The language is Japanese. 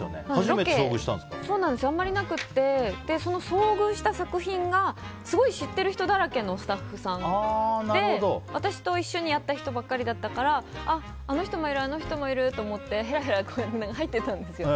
ロケ、あまりなくってその遭遇した作品がすごい知っている人だらけのスタッフさんで私と一緒にやった人ばっかりだったからあの人もいるって思ってヘラヘラ入ってったんですよ。